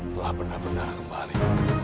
telah benar benar kembali